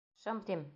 Шым, тим.